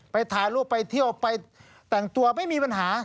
ถ่ายรูปไปเที่ยวไปแต่งตัวไม่มีปัญหา